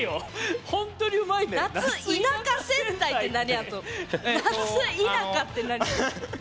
「夏田舎」って何？